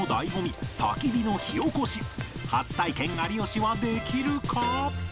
初体験有吉はできるか？